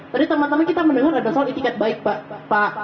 tadi teman teman kita mendengar ada soal itikat baik pak